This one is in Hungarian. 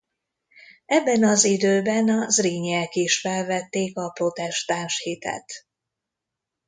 Ebben az időben a Zrínyiek is felvették a protestáns hitet.